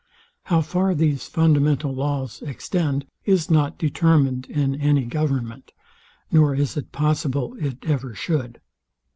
How far these fundamental laws extend is not determined in any government; nor is it possible it ever should.